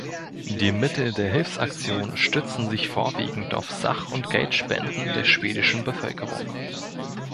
Die Mittel der Hilfsaktion stützten sich vorwiegend auf Sach- und Geldspenden der schwedischen Bevölkerung.